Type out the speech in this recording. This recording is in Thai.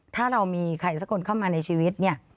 ถ้าเรามีใครสักคนเข้ามาในชีวิตเนี่ย